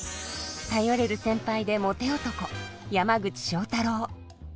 頼れる先輩でモテ男山口正太郎。